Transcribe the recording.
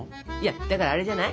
だからあれじゃない？